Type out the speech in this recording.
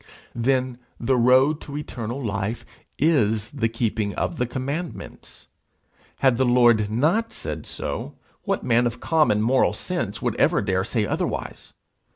Then the road to eternal life is the keeping of the commandments! Had the Lord not said so, what man of common moral sense would ever dare say otherwise?